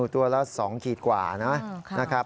ตัวละ๒ขีดกว่านะ